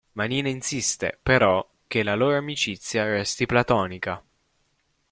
Manina insiste, però, che la loro amicizia resti platonica.